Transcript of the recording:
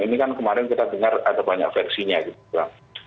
ini kan kemarin kita dengar ada banyak versinya gitu kan